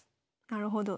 なるほど。